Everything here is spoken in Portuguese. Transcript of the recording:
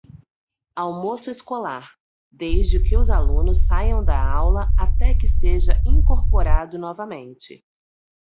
Almoço escolar: desde que os alunos saiam da aula até que seja incorporado novamente.